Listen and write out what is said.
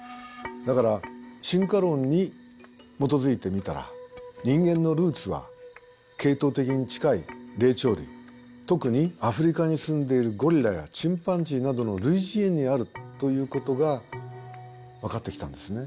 だから「進化論」に基づいてみたら人間のルーツは系統的に近い霊長類特にアフリカに住んでいるゴリラやチンパンジーなどの類人猿にあるということが分かってきたんですね。